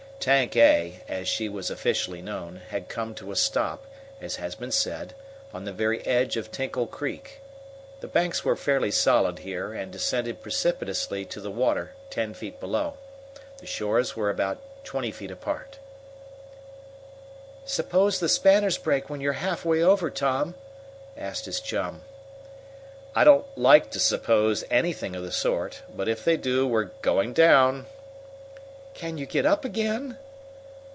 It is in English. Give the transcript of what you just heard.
Tank A, as she was officially known, had come to a stop, as has been said, on the very edge of Tinkle Creek. The banks were fairly solid here, and descended precipitously to the water ten feet below. The shores were about twenty feet apart. "Suppose the spanners break when you're halfway over, Tom?" asked his chum. "I don't like to suppose anything of the sort. But if they do, we're going down!" "Can you get up again?"